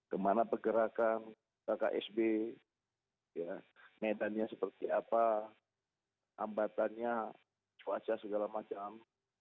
kemana pergerakan kakak sbi medannya seperti apa ambatannya cuaca segala macam